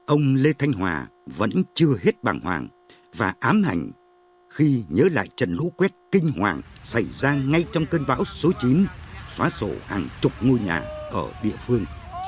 ông lê thanh hòa vẫn chưa hết bằng hoàng và ám hành khi nhớ lại trận lũ quét kinh hoàng xảy ra ngay trong cơn bão số chín xóa sổ hàng chục ngôi nhà ở địa phương